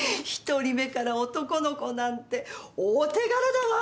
１人目から男の子なんてお手柄だわ。